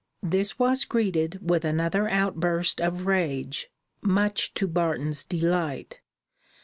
This was greeted with another outburst of rage, much to Barton's delight.